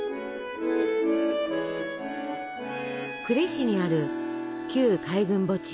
呉市にある旧海軍墓地。